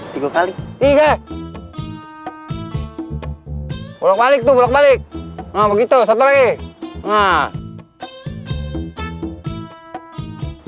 tiga kali tiga bolak balik tuh balik begitu satu lagi nah